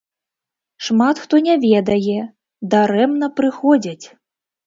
Шмат хто не ведае, дарэмна прыходзяць!